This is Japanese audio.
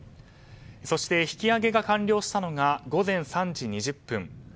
そして引き揚げが完了したのが午前３時２０分。